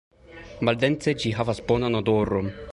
Maldense ĝi havas bonan odoron.